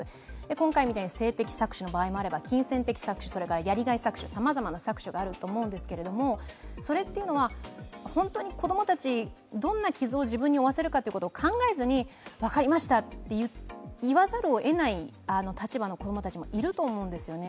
今回みたいに性的搾取のほかにも、金銭的搾取、やりがい搾取、さまざまな搾取があると思うんですが、それというのは本当に子供たち、どんな傷を自分に負うことを考えずに分かりましたといわざるを得ない立場の子供もいると思うんですね。